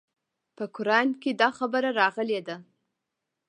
په قران کښې دا خبره راغلې ده.